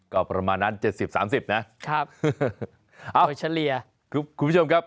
ก็ประมาณนั้น๗๐๓๐นะครับหรือคุณผู้ชมครับ